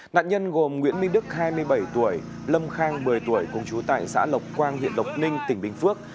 nạn nhân gồm nguyễn minh đức hai mươi bảy tuổi lâm khang một mươi tuổi cùng chú tại xã lộc quang huyện lộc ninh tỉnh bình phước